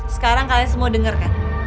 sekarang kalian semua dengar kan